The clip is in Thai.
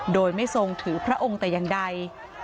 โดยไม่ทรงถือพระองค์แต่อย่างใด